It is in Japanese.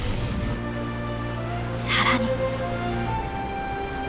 更に。